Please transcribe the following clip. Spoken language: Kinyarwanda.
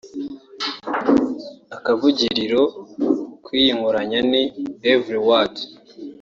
Akavugiriro k’iyi nkoranya ni “Every Word